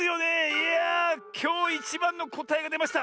いやあきょういちばんのこたえがでました！